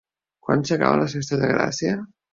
Quan s'acaben les festes de Gràcia?